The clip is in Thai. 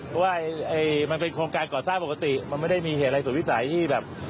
เพราะว่ามันเป็นโครงการก่อสร้างปกติมันไม่ได้มีเหตุอะไรสุดวิสัยที่แบบ